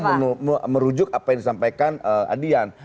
kalau merujuk apa yang disampaikan adrian